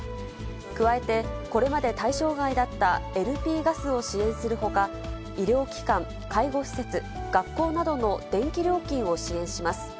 加えて、これまで対象外だったＬＰガスを支援するほか、医療機関、介護施設、学校などの電気料金を支援します。